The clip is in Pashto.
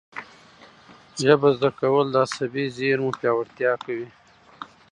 ژبه زده کول د عصبي زېرمو پیاوړتیا کوي.